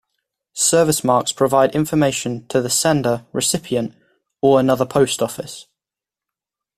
Service marks provide information to the sender, recipient, or another post office.